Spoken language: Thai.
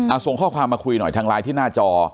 เอาส่งข้อความมาคุยหน่อยทางไลน์ที่หน้าจอ